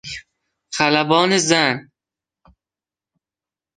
خلبان زن